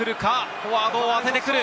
フォワード当ててくる。